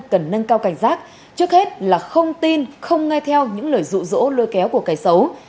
cần nâng cao cảnh giác trước hết là không tin không nghe theo những lời rụ rỗ lôi kéo của kẻ xấu